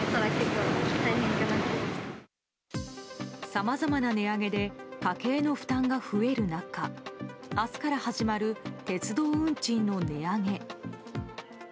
さまざまな値上げで家計の負担が増える中明日から始まる鉄道運賃の値上げ。